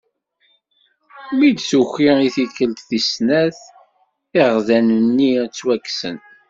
Mi d-tuki i tikelt tis snat iɣegdan-nni ttwaksen.